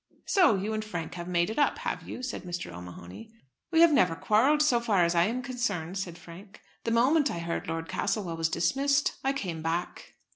"So you and Frank have made it up, have you?" said Mr. O'Mahony. "We have never quarrelled so far as I am concerned," said Frank. "The moment I heard Lord Castlewell was dismissed, I came back."